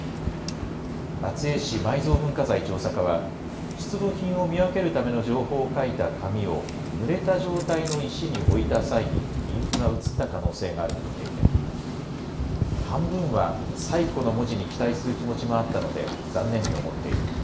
松江市埋蔵文化財調査課は、出土品を見分けるための情報を書いた紙を、ぬれた状態の石に置いた際にインクがうつった可能性があると見ていて、半分は、最古の文字に期待する気持ちもあったので、残念に思っている。